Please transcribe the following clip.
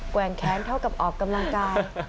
แว่งแขนเท่ากับออกกำลังกาย